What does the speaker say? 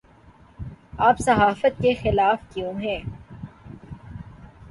آپ صحافت کے خلاف کیوں ہیں